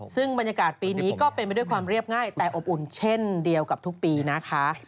ซึ่งบรรยากาศปีนี้ก็เป็นไปด้วยความเรียบง่ายแต่อบอุ่นเช่นเดียวกับทุกปีนะคะ